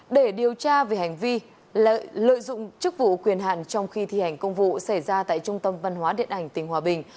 để điều tra về hành vi lợi dụng chức vụ quyền hạn trong khi thi hành công vụ xảy ra tại trung tâm văn hóa điện ảnh tình hòa bình